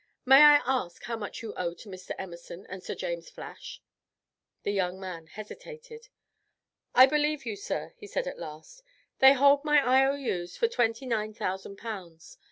May I ask how much you owe to Mr. Emerson and Sir James Flash?" The young man hesitated. "I believe you, sir," he said at last. "They hold my IOUs for 29,000 pounds.